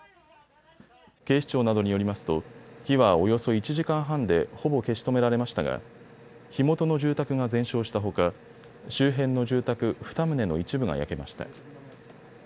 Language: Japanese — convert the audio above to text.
警視庁などによりますと火はおよそ１時間半でほぼ消し止められましたが火元の住宅が全焼したほか周辺の住宅２棟の一部が焼けました。